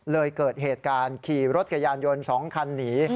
เกิดเหตุการณ์ขี่รถจักรยานยนต์๒คันหนี